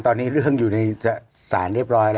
ตอนนี้เรื่องอยู่ในศาลเรียบร้อยแล้ว